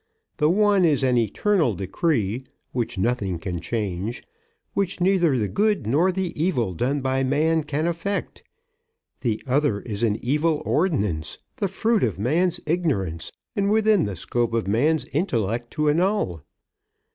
The one is an eternal decree, which nothing can change, which neither the good nor the evil done by man can affect. The other is an evil ordinance, the fruit of man's ignorance and within the scope of man's intellect to annul."